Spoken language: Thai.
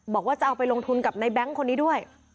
บอกว่าจะเอาไปลงทุนกับในแบงค์คนนี้ด้วย